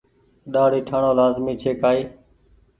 ڏآڙي ٺآڻو لآزمي ڇي۔ ڪآئي۔